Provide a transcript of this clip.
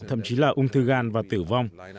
thậm chí là ung thư gan và tử vong